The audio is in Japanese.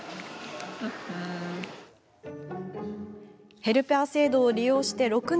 ヘルパー制度を利用して６年。